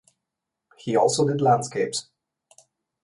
He also did landscapes.